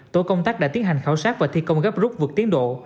tổ công tác đã tiến hành khảo sát và thi công gấp rút vượt tiến độ